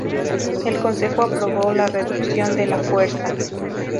El Consejo aprobó la reducción de la fuerza.